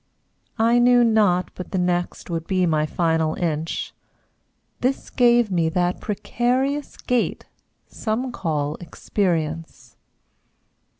I knew not but the next Would be my final inch, This gave me that precarious gait Some call experience.